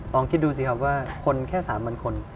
ลองคิดดูสิครับว่าคนแค่๓๐๐คน